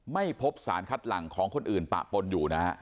ไม่พบสารคัดหลังของคนอื่นปะปนอยู่นะฮะ